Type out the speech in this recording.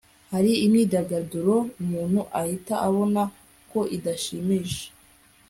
hari imyidagaduro umuntu ahita abona ko idashimisha